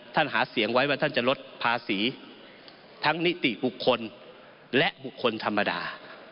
หาเสียงไว้ว่าท่านจะลดภาษีทั้งนิติบุคคลและบุคคลธรรมดา